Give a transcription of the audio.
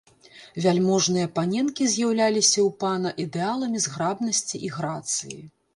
Вяльможныя паненкі з'яўляліся ў пана ідэаламі зграбнасці і грацыі.